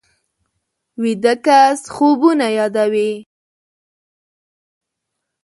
ویده کس خوبونه یادوي